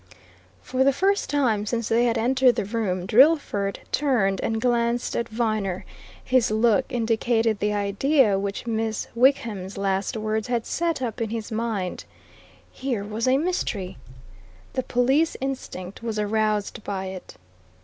For the first time since they had entered the room, Drillford turned and glanced at Viner; his look indicated the idea which Miss Wickham's last words had set up in his mind. Here was a mystery! The police instinct was aroused by it.